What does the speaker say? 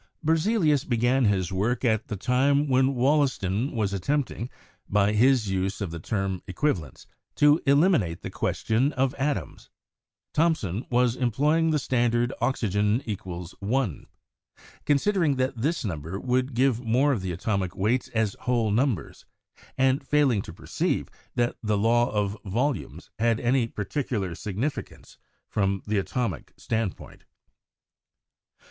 Berzelius began his work at the time when Wollaston was attempting, by his use of the term equivalents, to elim inate the question of atoms. Thomson was employing the standard oxygen = 1, considering that this number would give more of the atomic weights as whole numbers, and failing to perceive that the law of volumes had any partic ular significance from the atomic standpoint.